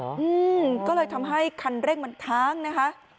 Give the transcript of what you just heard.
อืมก็เลยทำให้คันเร่งมันค้างนะคะ